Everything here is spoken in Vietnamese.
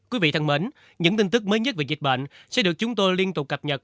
quý vị thân mến những tin tức mới nhất về dịch bệnh sẽ được chúng tôi liên tục cập nhật